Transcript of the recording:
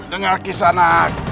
dengan kisah anak